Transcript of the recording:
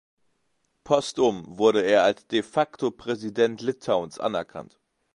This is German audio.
Postum wurde er als De-facto-Präsident Litauens anerkannt.